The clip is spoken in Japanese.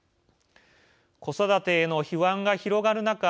子育てへの不安が広がる中